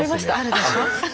あるでしょ？